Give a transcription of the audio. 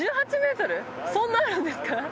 そんなあるんですか？